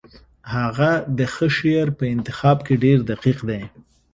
هغه د ښه شعر په انتخاب کې ډېر دقیق دی